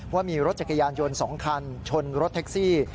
ว่ามีรถจักรยานยนต์๒คันชนรถแท็กซี่